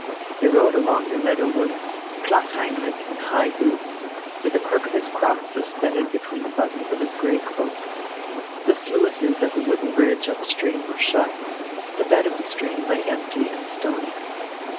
They rode along the meadow woods, Klaus Heinrich in high boots, with the crook of his crop suspended between the buttons of his grey cloak. The sluices at the wooden bridge up stream were shut, the bed of the stream lay empty and stony.